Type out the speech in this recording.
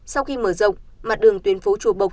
sau khi mở rộng mặt đường tuyến phố chùa bộc